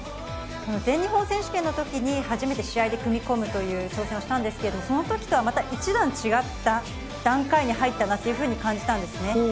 全日本選手権のときに初めて試合で組み込むという挑戦をしたんですけど、そのときとはまた一段違った段階に入ったなというふうに感じたんですね。